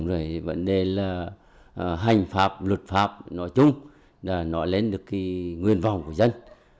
rồi vấn đề là hành pháp luật pháp nói chung đã nói lên được cái nguyên vọng của dân